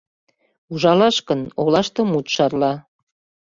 Ужалаш гын — олаште мут шарла.